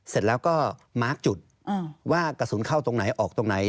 เสร็จแล้วก็มาร์คจุดว่ากระสุนเข้าตรงไหนออกตรงไหน